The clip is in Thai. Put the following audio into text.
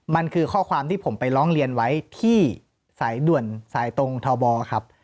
มันคือข้อความที่ผมไปร้องเรียนไว้ที่สายด่วนสายตรงทบครับ